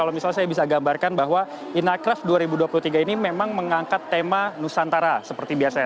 kalau misalnya saya bisa gambarkan bahwa inacraft dua ribu dua puluh tiga ini memang mengangkat tema nusantara seperti biasanya